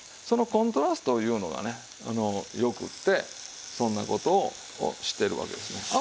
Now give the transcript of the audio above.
そのコントラストいうのがね良くてそんな事をしてるわけですね。